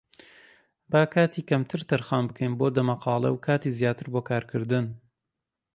با کاتی کەمتر تەرخان بکەین بۆ دەمەقاڵێ و کاتی زیاتر بۆ کارکردن.